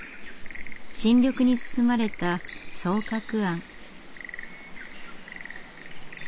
新緑に包まれた双鶴庵。